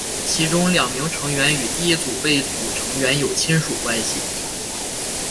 其中两名成员与第一组被捕成员有亲属关系。